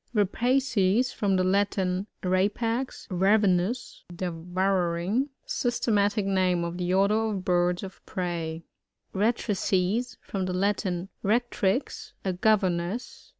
Rapaces. — From the Latin, rapax, ravenous, devouring. Systematic name of the order of birds of prey, Retrices. — From the Latin, rectrix, a governess.